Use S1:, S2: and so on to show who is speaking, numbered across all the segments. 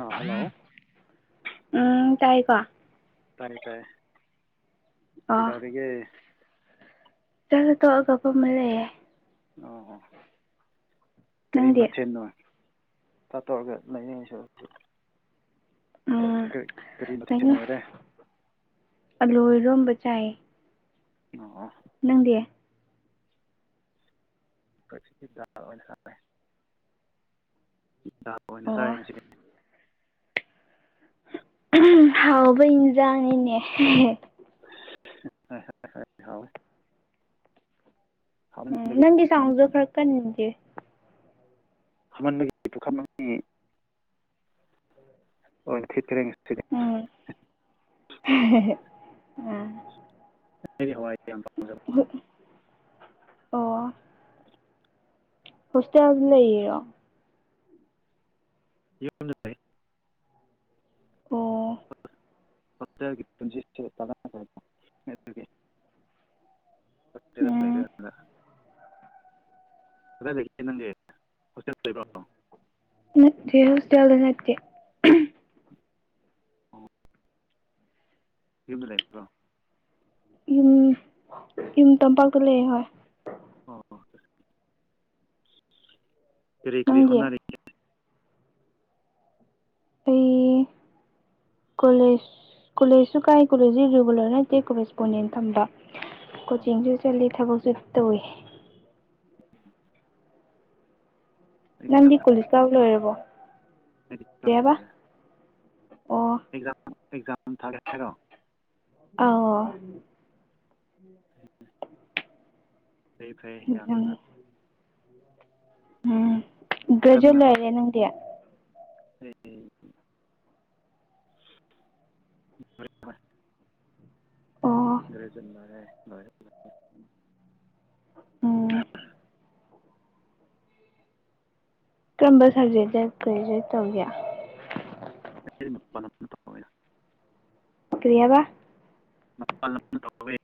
S1: ꯑꯥ hello
S2: ꯎꯝ ꯇꯥꯏꯀꯣ
S1: ꯇꯥꯏ ꯇꯥꯏ
S2: ꯑꯣ
S1: ꯀꯗꯧꯔꯤꯒꯦ
S2: [unintelligible]
S1: ꯑ ꯀꯔꯤ
S2: ꯅꯪꯗꯤ
S1: ꯃꯊꯦꯜꯅꯣ ꯈꯔ ꯇꯩꯔꯒꯦ ꯂꯌꯦꯡꯁꯤꯔꯥ
S2: ꯎꯝ
S1: ꯀꯔꯤ ꯀꯔꯤ ꯃꯊꯦꯜ ꯑꯣꯏꯔꯦ
S2: ꯑꯜꯂꯨ ꯏꯔꯣꯝꯕ ꯆꯥꯏ
S1: ꯑꯣ ꯑꯣ
S2: ꯅꯪꯗꯤ
S1: ꯑꯈꯣꯏꯒꯤꯗꯤ ꯆꯥ ꯑꯣꯏꯅ ꯆꯥꯔꯦ ꯗꯥꯂ ꯑꯣꯏꯅ ꯆꯥꯔꯦ
S2: ꯑꯣ
S1: ꯉꯁꯤꯗꯤ
S2: ꯍꯥꯎꯕ ꯏꯟꯖꯥꯡꯅꯤꯅꯦ
S1: [unintelligible]
S2: ꯎꯝ
S1: ꯍꯥꯃꯟꯕꯒꯤ
S2: ꯅꯪꯒꯤ
S1: ꯄꯨꯈꯝ ꯑꯅꯤ
S2: ꯁꯥꯎꯖꯨ ꯈꯔ ꯀꯟꯒꯦ
S1: [unintelligible]
S2: ꯎꯝ
S1: ꯑꯩꯗꯤ ꯍꯋꯥꯏ ꯌꯥꯝ ꯄꯥꯝꯖꯕ
S2: ꯑꯣ ꯍꯣꯁꯇꯦꯜꯗꯥ ꯂꯩꯔꯤꯔꯣ
S1: [unintelligible]
S2: ꯑꯣ
S1: ꯍꯣꯁꯇꯜꯒꯤ ꯄꯨꯟꯁꯤꯁꯦ [unintelligible] ꯑꯗꯨꯒꯤ ꯍꯣꯁꯇꯦꯜꯗ
S2: ꯎꯝ
S1: ꯂꯩꯔꯀꯥꯟꯗ ꯀꯗꯥꯏ ꯂꯩꯒꯦ ꯅꯪꯗꯤ ꯍꯣꯁꯇꯦꯜ ꯂꯩꯕ꯭ꯔꯣ
S2: ꯅꯠꯇꯦ ꯍꯧꯁꯇꯜꯗꯥ ꯅꯠꯇꯦ
S1: ꯌꯨꯝꯗꯥ ꯂꯩꯕ꯭ꯔꯣ
S2: ꯌꯨꯝ ꯌꯨꯝ ꯇꯝꯄꯥꯛꯇꯥ ꯂꯩꯑꯦ ꯍꯣꯏ
S1: ꯑꯣ ꯀꯔꯤ ꯀꯔꯤ
S2: ꯅꯪꯗꯤ
S1: ꯍꯣꯟꯅꯔꯤ
S2: ꯑꯩꯩ ꯀꯣꯂꯦꯖ ꯀꯣꯂꯦꯖꯁꯨ ꯀꯥꯏ ꯀꯣꯂꯦꯖꯁꯤ ꯔꯤꯒꯨꯂꯔ ꯅꯠꯇꯦ ꯀꯣꯔꯦꯁꯄꯣꯟꯗꯦꯟ ꯊꯝꯕ
S1: ꯑꯣ
S2: ꯀꯣꯆꯤꯡꯁꯨ ꯆꯠꯂꯤ ꯊꯕꯛꯁꯨ ꯇꯧꯏ
S1: ꯑꯦꯛꯖꯥꯝ
S2: ꯅꯪꯗꯤ
S1: ꯊꯥꯒꯦ
S2: ꯀꯣꯂꯦꯖ ꯀꯥꯕꯥ
S1: ꯈꯟꯕ꯭ꯔꯣ
S2: ꯂꯣꯏꯔꯕꯣ
S1: ꯑꯦꯛꯖꯥꯝ
S2: ꯀꯩꯕ
S1: ꯂꯣꯏꯔꯦ
S2: ꯑꯣ
S1: ꯑꯦꯛꯖꯥꯝ ꯑꯦꯛꯖꯥꯝ ꯊꯥꯒꯦ ꯍꯥꯏꯔꯣ
S2: ꯑꯥꯎ
S1: ꯐꯩ ꯐꯩ ꯌꯥꯝꯅ
S2: ꯎꯝ ꯒ꯭ꯔꯦꯖꯨꯋꯦꯠ
S1: ꯀꯟꯅ
S2: ꯂꯣꯏꯔꯦ ꯅꯪꯗꯤ
S1: [unintelligible] [unintelligible]
S2: ꯑꯣ
S1: ꯒ꯭ꯔꯦꯖꯨꯋꯦꯠ ꯂꯣꯔꯦ ꯂꯣꯏꯔꯦ
S2: ꯎꯝ ꯀꯔꯝꯕ ꯁꯕꯖꯦꯛꯇꯥ ꯒ꯭ꯔꯦꯖꯨꯋꯦꯠ ꯇꯧꯒꯦ
S1: [unintelligible]
S2: ꯀ꯭ꯔꯤ ꯍꯥꯏꯕ
S1: ꯃꯄꯥꯟ ꯂꯝꯗꯥ ꯇꯧꯋꯦ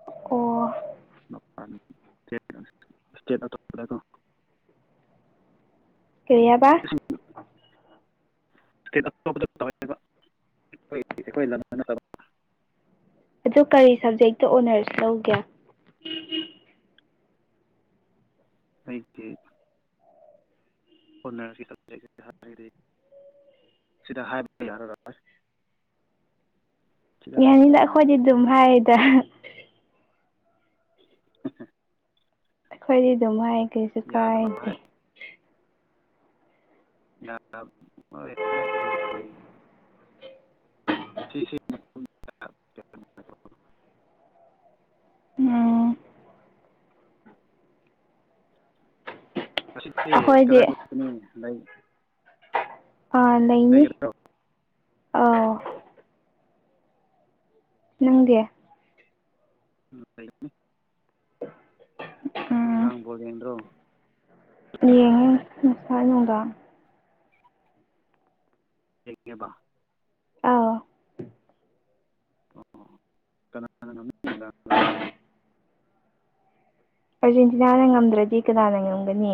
S2: ꯑꯣ
S1: [unintelligible]
S2: ꯀꯥꯔꯤ ꯍꯥꯏꯕ
S1: ꯏꯁꯇꯦꯠ [unintelligible] [unintelligible]
S2: ꯑꯗꯨ ꯀꯔꯤ ꯁꯕꯖꯦꯛꯇꯥ ꯑꯣꯅꯔꯁ ꯂꯧꯒꯦ [unintelligible]
S1: ꯑꯩꯗꯤ ꯍꯣꯅꯔꯁꯤ ꯁꯕꯖꯦꯛꯁꯦ ꯍꯥꯏꯔꯗꯤ ꯁꯤꯗꯥ ꯍꯥꯏꯕ ꯌꯥꯔꯔꯔꯣꯏ ꯁꯤꯗ ꯍꯥꯏꯕꯗ
S2: ꯌꯥꯅꯤꯗꯥ ꯑꯩꯈꯣꯏꯗꯤ
S1: ꯅꯨꯡꯉꯥꯏꯔꯣꯏ
S2: ꯑꯗꯨꯝ ꯍꯥꯏꯌꯦꯗꯥ
S1: [unintelligible]
S2: ꯑꯩꯈꯣꯏꯗꯤ ꯑꯗꯨꯝ ꯍꯥꯏ ꯀꯩꯁꯨ
S1: ꯌꯥꯗꯕ ꯍꯥꯏ
S2: ꯀꯥꯏꯗꯦ
S1: [unintelligible]
S2: ꯎꯝ
S1: ꯑꯁꯤꯗꯤ
S2: ꯑꯩꯈꯣꯏꯗꯤ
S1: ꯀꯗꯥꯏ [unintelligible] ꯂꯩ
S2: ꯑꯥ ꯂꯩꯅꯤ
S1: ꯂꯩꯒꯗ꯭ꯔꯣ
S2: ꯑꯥꯎ
S1: ꯑꯣ
S2: ꯅꯪꯗꯤ
S1: ꯎꯝ ꯂꯩꯅꯤ
S2: [unintelligible]
S1: ꯅꯨꯡꯗꯥꯡ ꯕꯣꯜ ꯌꯦꯡꯗ꯭ꯔꯣ
S2: ꯌꯦꯡꯉꯦ ꯉꯁꯥꯏ ꯅꯨꯡꯗꯥꯡ
S1: ꯌꯦꯡꯉꯦꯕ
S2: ꯑꯥꯎ
S1: ꯑꯣ ꯀꯅꯥꯅ ꯉꯝ [unintelligible]
S2: ꯑꯥꯔꯖꯦꯟꯇꯤꯅꯥꯅ ꯉꯝꯗ꯭ꯔꯗꯤ ꯀꯅꯥꯅ ꯉꯝꯒꯅꯤ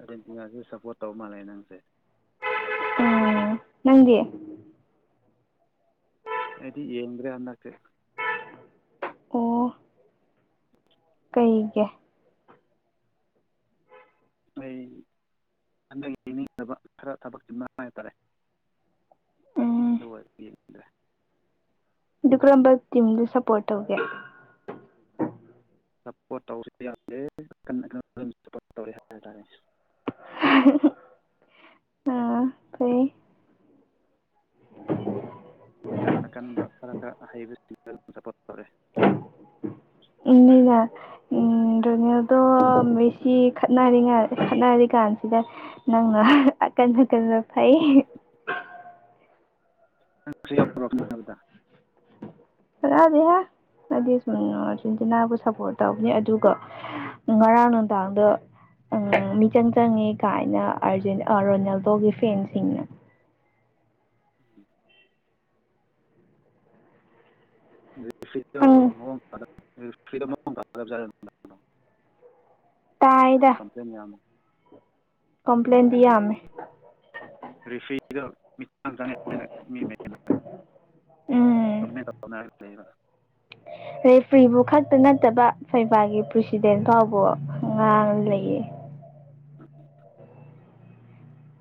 S1: ꯑꯖꯦꯟꯇꯤꯅꯥꯁꯨ ꯁꯞꯄꯣꯔꯠ ꯇꯧ ꯃꯥꯜꯂꯦ ꯅꯪꯁꯦ
S2: ꯎꯝ ꯅꯪꯗꯤ
S1: ꯑꯩꯗꯤ ꯌꯦꯡꯗ꯭ꯔꯦ ꯍꯟꯗꯛꯁꯦ
S2: ꯑꯣ ꯀꯩꯒꯤ
S1: ꯑꯩ ꯍꯟꯗꯛꯀꯤꯗꯤ ꯌꯦꯡꯗꯕ ꯈꯔ ꯊꯕꯛ ꯆꯤꯟꯕ ꯍꯥꯏꯇꯥꯔꯦ
S2: ꯎꯝ
S1: [unintelligible]
S2: ꯑꯗꯨ ꯀꯔꯝꯕ ꯇꯤꯝꯗꯣ ꯁꯞꯄꯣꯔꯠ ꯇꯧꯒꯦ
S1: ꯁꯄꯣꯔꯠ ꯇꯧꯔꯁꯨ ꯌꯥꯗꯦ [unintelligible] [unintelligible]
S2: [unintelligible]
S1: ꯑꯀꯟ ꯑꯀꯟꯕ ꯈꯔ ꯈꯔ ꯑꯍꯩꯕꯁꯤꯡꯗ ꯑꯗꯨꯝ ꯁꯄꯣꯔꯠ ꯇꯧꯔꯦ
S2: [unintelligible] ꯎꯝ ꯔꯣꯅꯦꯜꯗꯣ ꯃꯦꯁꯤ ꯈꯠꯅꯔꯤꯉ ꯈꯠꯅꯔꯤ ꯀꯥꯟꯁꯤꯗ ꯅꯪꯅ ꯑꯀꯟ ꯑꯀꯟꯕ ꯐꯩ
S1: ꯅꯪꯁꯨ ꯌꯥꯎꯕ꯭ꯔꯣ ꯈꯠꯅꯕꯗ
S2: [unintelligible] ꯑꯗꯨ ꯁꯨꯝ ꯉꯥ ꯑꯥꯔꯖꯦꯟꯇꯤꯅꯥꯕꯨ ꯁꯞꯄꯣꯔꯠ ꯇꯧꯕꯅꯦ ꯑꯗꯨꯒ ꯉꯔꯥꯡ ꯅꯨꯡꯗꯥꯡꯗꯣ ꯑ ꯃꯤꯆꯪ ꯆꯪꯉꯦ ꯀꯥꯏꯅ ꯑꯥꯔꯖꯦꯟ ꯑ ꯔꯣꯅꯥꯜꯗꯣꯒꯤ ꯐꯦꯟꯁꯤꯡꯅ
S1: ꯎꯝ
S2: ꯈꯪ
S1: [unintelligible]
S2: ꯇꯥꯏꯌꯦꯗꯥ
S1: ꯗꯨꯝ ꯃꯌꯥꯝꯃ [unintelligible]
S2: ꯀꯝꯄ꯭ꯂꯦꯟꯗꯤ ꯌꯥꯝꯃꯦ
S1: ꯔꯦꯐ꯭ꯔꯤꯗꯣ ꯃꯤꯆꯪ ꯆꯪꯉꯦ ꯍꯥꯏꯅ ꯃꯤꯆꯪ ꯃꯌꯥꯝꯅ
S2: ꯎꯝ
S1: ꯀꯝꯄ꯭ꯂꯦꯟ ꯇꯧꯅꯔꯒ ꯂꯩꯕ
S2: ꯔꯦꯐ꯭ꯔꯤꯕꯨ ꯈꯛꯇ ꯅꯠꯇꯕ ꯐꯩꯕꯥꯒꯤ ꯄ꯭ꯔꯁꯤꯗꯦꯟ ꯐꯥꯎꯕꯨ ꯉꯥꯡꯉ ꯂꯩꯌꯦ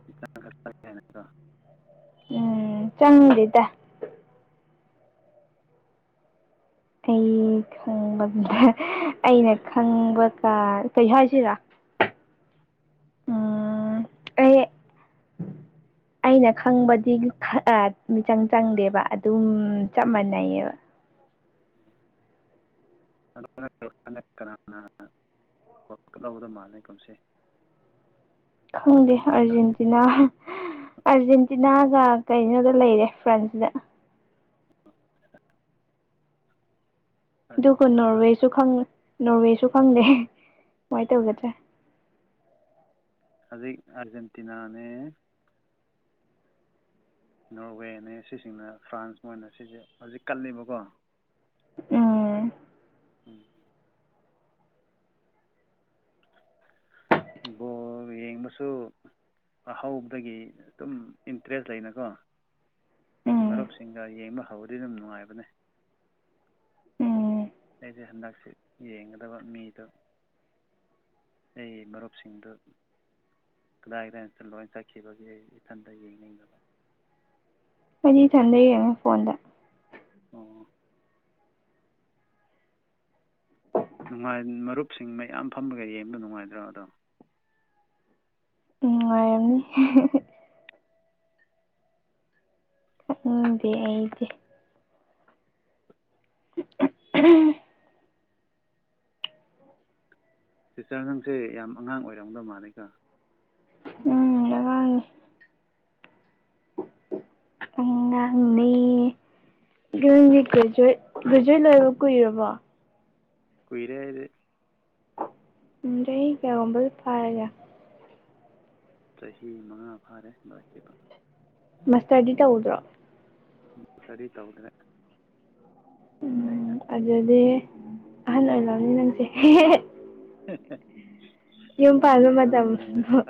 S1: [unintelligible]
S2: ꯎꯝ ꯆꯪꯗ꯭ꯔꯤꯗ ꯑꯩ ꯈꯪꯕꯒꯨꯝꯅ ꯑꯩꯅ ꯈꯪꯕ ꯀꯥꯟ ꯀꯩ ꯍꯥꯏꯁꯤꯔꯥ ꯎꯝ ꯑꯩ
S1: [inaudible]
S2: ꯑꯩꯅ ꯈꯪꯕꯗꯤ ꯑꯥ ꯃꯤꯆꯪ ꯆꯪꯗꯦꯕ ꯑꯗꯨꯝ ꯆꯞ ꯃꯥꯟꯅꯩꯌꯦꯕ
S1: [unintelligible] [unintelligible] ꯋꯥꯜꯗ ꯀꯞ ꯂꯧꯒꯗꯧ ꯃꯥꯜꯂꯤ ꯀꯨꯝꯁꯤ
S2: ꯈꯪꯗꯦ ꯑꯔꯖꯦꯟꯇꯤꯅꯥ ꯑꯥꯔꯖꯦꯟꯇꯤꯅꯥꯒ ꯀꯩꯅꯣꯗ ꯂꯩꯔꯦ ꯐ꯭ꯔꯥꯟꯁꯗ
S1: [unintelligible]
S2: ꯑꯗꯨꯒ
S1: ꯑꯥꯔꯖꯦꯟꯇꯤꯅꯥ ꯑꯥꯔꯖꯦꯟꯇꯤꯅꯥ
S2: ꯅꯣꯔꯋꯦꯁꯨ ꯅꯣꯔꯋꯦꯁꯨ ꯈꯪꯗꯦ ꯀꯃꯥꯏꯅ
S1: ꯎꯝ
S2: ꯇꯧꯒꯗ꯭ꯔ
S1: ꯍꯧꯖꯤꯛ ꯑꯥꯔꯖꯦꯟꯇꯤꯅꯥꯅꯦ ꯅꯣꯔꯋꯦꯅꯦ ꯁꯤꯁꯤꯡꯅ ꯐ꯭ꯔꯥꯟꯁ ꯃꯣꯏꯅ ꯁꯤꯁꯦ ꯍꯧꯖꯤꯛ ꯀꯜꯂꯤꯕꯀꯣ
S2: ꯎꯝ
S1: ꯎꯝ ꯕꯣꯜ ꯌꯦꯡꯕꯁꯨ ꯑꯍꯧꯕꯗꯒꯤ ꯑꯗꯨꯝ ꯏꯟꯇꯔꯦꯁ ꯂꯩꯅꯀꯣ
S2: ꯎꯝ
S1: ꯃꯔꯨꯞꯁꯤꯡꯒ ꯌꯦꯡꯕ ꯍꯧꯕꯗꯤ ꯑꯗꯨꯝ ꯅꯨꯡꯉꯥꯏꯕꯅꯦ
S2: ꯎꯝ
S1: ꯑꯩꯁꯦ ꯍꯟꯗꯛꯁꯦ ꯌꯦꯡꯒꯗꯕ ꯃꯤꯗꯣ ꯑꯩ ꯃꯔꯨꯞꯁꯤꯡꯗꯨ ꯀꯗꯥꯏ ꯀꯗꯥꯏꯇ ꯂꯣꯏ ꯆꯠꯈꯤꯕꯒꯤ ꯑꯩ ꯏꯊꯟꯇ ꯌꯦꯡꯅꯤꯡꯗꯕ
S2: ꯑꯩꯗꯤ ꯢꯊꯟꯗ ꯌꯦꯡꯉꯦ ꯐꯣꯟꯗ
S1: ꯑꯣ ꯅꯨꯡꯉꯥꯏ ꯃꯔꯨꯞꯁꯤꯡ ꯃꯌꯥꯝ ꯐꯝꯃꯒ ꯌꯦꯡꯕꯗ ꯅꯨꯡꯉꯥꯏꯗ꯭ꯔꯥ ꯑꯗꯣ
S2: ꯎꯝ ꯉꯥꯢ ꯉꯝꯅꯤ ꯎꯝꯗꯤ ꯑꯩꯗꯤ [unintelligible]
S1: ꯁꯤꯁꯇꯔ ꯅꯪꯁꯦ ꯌꯥꯝ ꯑꯉꯥꯡ ꯑꯣꯏꯔꯝꯗꯧ ꯃꯥꯜꯂꯤꯀꯣ
S2: ꯑꯉꯥꯡꯅꯤ ꯑꯉꯥꯡꯅꯦ ꯅꯪꯒꯤ ꯒ꯭ꯔꯦꯖꯨꯋꯦꯠ ꯒ꯭ꯔꯦꯖꯨꯋꯦꯠ ꯂꯣꯢꯕ ꯀꯨꯏꯔꯕꯣ
S1: ꯀꯨꯏꯔꯦ ꯑꯩꯗꯤ
S2: ꯎꯝ ꯆꯍꯤ ꯀꯌꯥꯒꯨꯝꯕꯗꯤ ꯐꯥꯔꯒꯦ
S1: ꯆꯍꯤ ꯃꯉꯥ ꯐꯥꯔꯦ ꯂꯣꯢꯈꯤꯕ
S2: ꯃꯁꯇꯔꯗꯤ ꯇꯧꯗ꯭ꯔꯣ
S1: ꯃꯁꯇꯔꯗꯤ ꯇꯧꯗ꯭ꯔꯦ ꯑꯩꯅ
S2: ꯎꯝ ꯑꯗꯨꯗꯤ ꯑꯍꯜ ꯑꯣꯏꯔꯝꯅꯤ ꯅꯪꯁꯦ ꯌꯨꯝ ꯄꯥꯟꯕ
S1: ꯑꯍꯟ
S2: ꯃꯇꯝ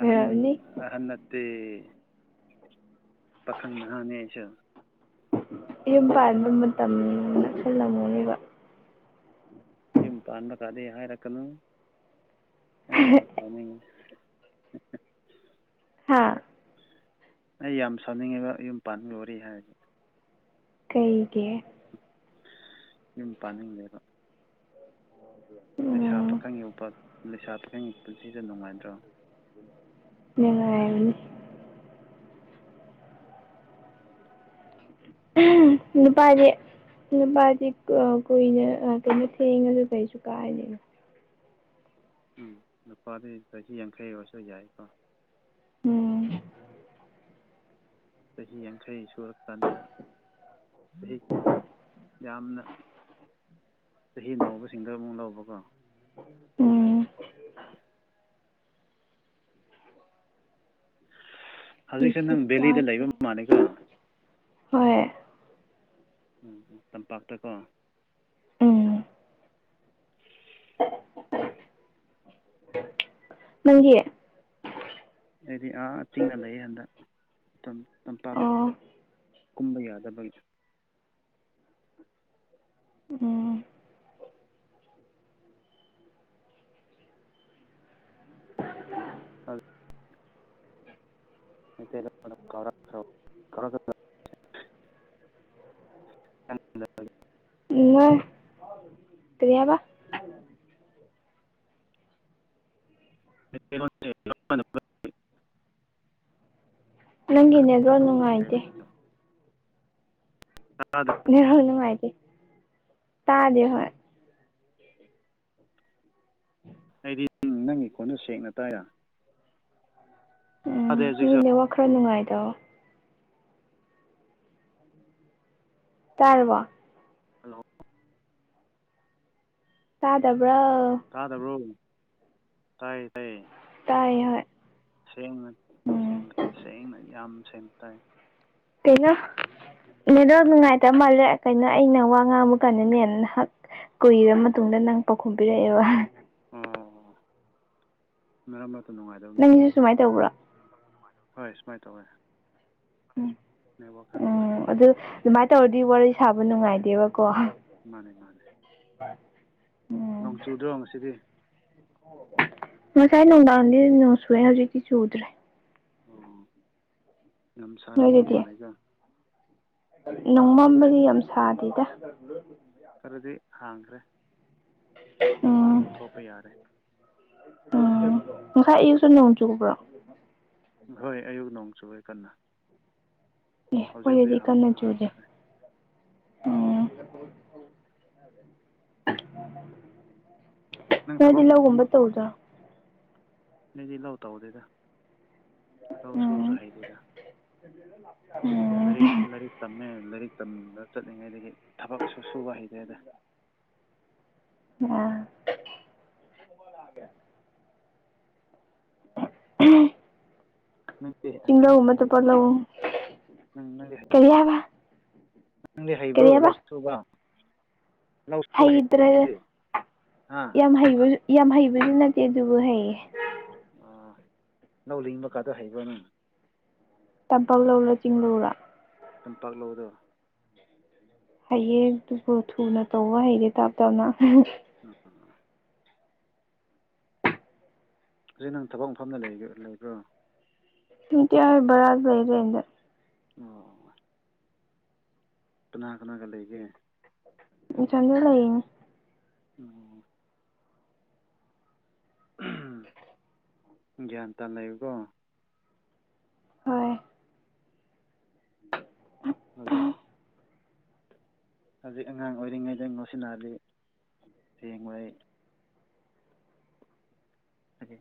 S1: ꯑꯍꯟ ꯑꯍꯟ ꯅꯠꯇꯦ ꯄꯥꯈꯪꯅꯍꯥꯅꯤ ꯑꯩꯁꯨ
S2: ꯌꯨꯝ ꯄꯥꯟꯕ ꯃꯇꯝ‌
S1: ꯑꯦ
S2: ꯅꯛꯁꯜꯂꯝꯃꯅꯤꯕ
S1: ꯌꯨꯝ ꯄꯥꯟꯕ ꯀꯥꯗꯩ ꯍꯥꯏꯔꯛꯀꯅꯨ ꯑꯩ ꯌꯥꯝ ꯄꯥꯅꯤꯡꯉꯤ
S2: ꯍꯥꯥ
S1: ꯑꯩ ꯌꯥꯝ ꯁꯥꯎꯅꯤꯡꯉꯤꯕ ꯌꯨꯝ ꯄꯥꯟ ꯕꯒꯤ ꯋꯥꯔꯤ ꯍꯥꯏꯔꯗꯤ
S2: ꯀꯩꯒꯤ
S1: ꯌꯨꯝ ꯄꯥꯅꯤꯡꯂꯦꯕ ꯂꯩꯁꯥ
S2: ꯎꯝ
S1: ꯄꯥꯈꯪꯒꯤ ꯂꯩꯁꯥ ꯄꯥꯈꯪꯒꯤ ꯄꯨꯟꯁꯤꯗ ꯅꯨꯡꯉꯥꯏꯗ꯭ꯔꯣ
S2: ꯅꯨꯉꯥꯏꯕꯅꯤ ꯅꯨꯄꯥꯁꯦ ꯅꯨꯄꯥꯗꯤ ꯀꯨꯏꯅ ꯀꯩꯅꯣ ꯊꯦꯡꯉꯁꯨ ꯀꯩꯁꯨ ꯀꯥꯏꯔꯤꯅꯣ
S1: ꯎꯝ ꯅꯨꯄꯥꯗꯤ ꯆꯍꯤ ꯌꯥꯡꯈꯩ ꯑꯣꯏꯔꯁꯨ ꯌꯥꯏꯀꯣ
S2: ꯎꯝ
S1: ꯆꯍꯤ ꯌꯥꯡꯈꯩ ꯁꯨꯔꯀꯥꯟꯗ ꯑꯩ ꯌꯥꯝꯅ ꯆꯍꯤ ꯅꯧꯕꯁꯤꯡꯗ ꯑꯃꯨꯛ ꯂꯧꯕꯀꯣ
S2: ꯎꯝ
S1: ꯍꯧꯖꯤꯛꯁꯦ
S2: ꯀꯩꯁꯨ
S1: ꯅꯪ ꯗꯦꯂꯤꯗ
S2: ꯀꯥꯏꯗꯦ
S1: ꯂꯩꯕ ꯃꯥꯜꯂꯤꯀꯣ
S2: ꯍꯣꯏ
S1: ꯎꯝ ꯇꯝꯄꯥꯛꯇꯀꯣ
S2: ꯎꯝ
S1: [unintelligible]
S2: ꯅꯪꯒꯤ
S1: ꯑꯩꯗꯤ ꯑꯥ ꯆꯤꯡꯗ ꯂꯩ ꯍꯟꯗꯛ ꯇꯝ ꯇꯝꯄꯥꯛ
S2: ꯑꯣ
S1: ꯀꯨꯝꯕ ꯌꯥꯗꯕꯒꯤ
S2: ꯎꯝ
S1: ꯃꯩꯇꯩ [inaudible] [inaudible]
S2: ꯌꯦꯡꯉꯣꯢ ꯀꯔꯤ ꯍꯥꯢꯕ
S1: [inaudible]
S2: ꯅꯪꯒꯤ ꯅꯦꯠꯋꯥꯛ ꯅꯨꯡꯉꯥꯏꯇꯦ ꯅꯦꯠꯋꯥꯛ ꯅꯨꯡꯉꯥꯏꯇꯦ ꯇꯥꯗꯦ ꯍꯣꯏ ꯎꯝ [unintelligible]
S1: ꯑꯩꯗꯤ ꯅꯪꯒꯤ ꯈꯣꯟꯗꯣ ꯁꯦꯡꯅ ꯇꯥꯏꯌꯦ
S2: ꯎꯝ
S1: ꯍꯧꯖꯤꯛꯁꯨ
S2: ꯅꯦꯠꯋꯥꯛ ꯈꯔ ꯅꯨꯡꯉꯥꯏꯇꯕ ꯇꯥꯔꯕꫭ
S1: ꯍꯜꯂꯣ
S2: ꯇꯥꯗꯕ꯭ꯔꯣ
S1: ꯇꯥꯗꯕ꯭ꯔꯣ ꯇꯥꯏꯌꯦ ꯇꯥꯏꯌꯦ
S2: ꯇꯥꯏ ꯍꯣꯏ
S1: ꯁꯦꯡꯅ
S2: ꯎꯝ
S1: ꯁꯦꯡꯅ ꯌꯥꯝ ꯁꯦꯡꯅ ꯇꯥꯏ
S2: ꯀꯩꯅꯣ ꯅꯦꯠꯋꯥꯛ ꯅꯨꯡꯉꯥꯏꯇ ꯃꯥꯜꯂꯦ ꯀꯩꯅꯣ ꯑꯩꯅ ꯋꯥ ꯉꯥꯡꯕ ꯀꯥꯟꯗ ꯅꯍꯥꯛ ꯀꯨꯏꯔꯕ ꯃꯇꯨꯡꯗ ꯅꯪ ꯄꯥꯎꯈꯨꯝ ꯄꯤꯔꯛꯑꯦꯕ
S1: ꯑꯣ ꯃꯔꯛ ꯃꯔꯛꯇ ꯅꯨꯡꯉꯥꯏꯗꯕ ꯃꯥꯜꯂꯦ
S2: ꯅꯪꯒꯤꯁꯨ ꯁꯨꯃꯥꯏꯅ ꯇꯧꯕ꯭ꯔꯣ
S1: ꯍꯣꯏ ꯁꯨꯃꯥꯏꯅ ꯇꯧꯋꯦ
S2: ꯎꯝ
S1: ꯅꯦꯠꯋꯥꯛ ꯈꯔ
S2: ꯎꯝ
S1: ꯅꯨꯡꯉꯥꯏꯇꯕ
S2: ꯑꯗꯨ
S1: ꯃꯥꯜꯂꯦ
S2: ꯑꯗꯨꯃꯥꯏꯅ ꯇꯧꯔꯗꯤ ꯋꯥꯔꯤ ꯁꯥꯕ ꯅꯨꯡꯉꯥꯏꯗꯦꯕꯀꯣ
S1: ꯃꯥꯅꯦ ꯃꯥꯅꯦ ꯅꯣꯡ
S2: ꯎꯝ
S1: ꯆꯨꯗ꯭ꯔꯣ ꯉꯁꯤꯗꯤ
S2: ꯅꯨꯡꯗꯥꯡꯗꯤ ꯅꫭꯡ ꯆꯨꯏꯋ° ꯍꯧꯖꯤꯛꯇꯤ ꯆꯨꯗ꯭ꯔꯦ
S1: ꯑꯣ ꯌꯥꯝ ꯁꯥꯔꯝꯃꯗꯧ
S2: ꯅꯣꯏꯗꯗꯤ
S1: ꯃꯥꯜꯂꯦꯗ
S2: ꯅꯣꯡꯃꯝꯕꯗꯤ ꯌꯥꯝ ꯁꯥꯗꯦꯗ
S1: ꯑꯗꯨꯗꯤ ꯍꯥꯡꯈ꯭ꯔꯦ
S2: ꯑꯝ
S1: ꯃꯄꯥꯟꯗ ꯊꯣꯛꯄ ꯌꯥꯔꯦ
S2: ꯎꯝ ꯉꯁꯥꯏ ꯑꯩꯌꯨꯛꯁꯨ ꯅꯣꯡ ꯆꯨꯕ꯭ꯔꯣ
S1: ꯍꯣꯏ ꯑꯌꯨꯛ ꯅꯣꯡ ꯆꯨꯌꯦ ꯀꯟꯅ
S2: ꯑꯦ
S1: ꯍꯧꯖꯤꯛꯄꯨꯗꯤ
S2: ꯑꯩꯈꯣꯢꯗꯗꯤ ꯀꯟꯅ ꯆꯨꯗꯦ
S1: ꯍꯥꯡꯈ꯭ꯔꯦ
S2: ꯎꯝ
S1: ꯅꯪ
S2: ꯅꯣꯢꯗꯤ
S1: ꯊꯕꯛ
S2: ꯂꯧꯒꯨꯝꯕ ꯇꯧꯗꯔꯣ
S1: ꯑꯩꯗꯤ ꯂꯧ ꯇꯧꯗꯦꯗ ꯂꯧ ꯁꯨꯕꯁꯨ ꯍꯩꯗꯦꯗ
S2: ꯑꯝ
S1: ꯂꯥꯏꯔꯤꯛ ꯂꯥꯏꯔꯤꯛ ꯇꯝꯃꯦ ꯂꯥꯏꯔꯤꯛ ꯇꯝꯕ ꯆꯠꯂꯤꯉꯩꯗꯒꯤ ꯊꯕꯛꯁꯨ ꯁꯨꯕ ꯍꯩꯇꯦꯗ
S2: ꯑꯥ
S1: ꯅꯪꯗꯤ
S2: ꯆꯤꯡꯗ
S1: ꯅꯪꯗꯤ
S2: ꯃꯠꯇ
S1: ꯍꯩ
S2: [inaudible] ꯄꯂ
S1: ꯅꯪ ꯅꯪꯗꯤ ꯍꯩꯕ꯭ꯔꯣ
S2: ꯀꯔꯤꯌꯥꯕ
S1: ꯅꯪꯗꯤ ꯍꯥꯏꯕꯔꯣ ꯂꯧ ꯁꯨꯕ ꯂꯧ ꯁꯨꯕ ꯍꯩꯕ꯭ꯔꯣ
S2: ꯍꯩꯇ꯭ꯔꯦ
S1: ꯅꯪꯗꯤ ꯍꯥ
S2: ꯌꯥꯝ ꯍꯩꯁꯨ ꯌꯥꯝ ꯍꯩꯕꯁꯨ ꯅꯠꯇꯦ ꯑꯗꯨꯕꯨ ꯍꯩꯌꯦ
S1: ꯑꯥ ꯂꯧ ꯂꯤꯡꯕꯒꯗꯣ ꯍꯩꯕ꯭ꯔꯥ ꯅꯪ
S2: ꯇꯝꯄꯥꯛ ꯂꯧꯔꯥ ꯆꯤꯡ ꯂꯧꯔꯥ
S1: ꯇꯝꯄꯥꯛ ꯂꯧꯗꯣ
S2: ꯍꯩꯌꯦ ꯑꯗꯨꯕꯨ ꯊꯨꯅ ꯇꯧꯕ ꯍꯩꯇꯦ ꯇꯞ ꯇꯞꯅ
S1: ꯎꯝ [inaudible] ꯍꯧꯖꯤꯛ ꯅꯪ ꯊꯕꯛ ꯃꯐꯝꯗ ꯂꯩ ꯂꯩꯕ꯭ꯔꯣ
S2: ꯚꯥꯔꯥ ꯗ ꯂꯩ ꯔ°ꯟꯇ‌
S1: ꯑꯣ ꯀꯅꯥ ꯀꯅꯥꯒ ꯂꯩꯒꯦ
S2: ꯁꯖ ꯂꯩꯅꯦ
S1: ꯎꯝ ꯒ꯭ꯌꯥꯟ ꯇꯥ ꯂꯩꯕꯀꯣ
S2: ꯍꯣꯏ [inaudible]
S1: ꯑꯗꯨꯖꯤꯩ ꯍꯧꯖꯤꯛ ꯑꯉꯥꯡ ꯑꯣꯏꯔꯤꯉꯩꯗ ꯅꯣꯠꯁꯤꯟꯅꯜꯂꯤ ꯍꯡ ꯃꯩ ꯑꯗꯨꯦ